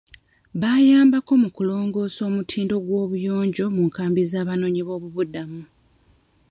Bayambako mu kulongoosa omutindo gw'obuyonjo mu nkambi z'abanoonyi b'obubuddamu.